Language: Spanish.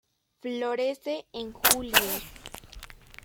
Florece en julio.